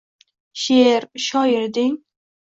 — She’r? Shoir deng?